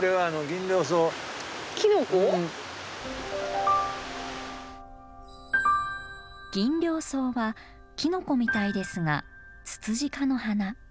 ギンリョウソウはきのこみたいですがツツジ科の花。